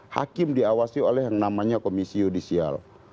hakim diawasi oleh yang namanya komisi yudisial